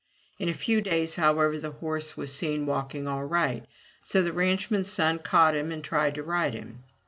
In a few days, however, the horse was seen walking all right, so the ranchman's son caught him and tried to ride him.